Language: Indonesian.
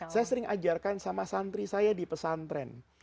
saya sering ajarkan sama santri saya di pesantren